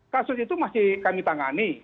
kasus itu masih kami tangani